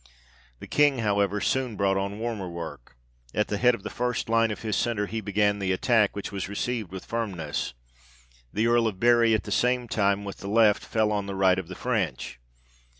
The King however soon brought on warmer ,work ; at the head of the first line of his centre he began the attack, which was received with firmness. The Earl of Bury at the same time with the left, fell on the right of the French.